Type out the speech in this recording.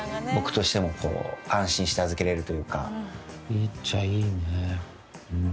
いいっちゃいいね。